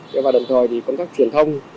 thế và đồng thời thì công tác truyền thông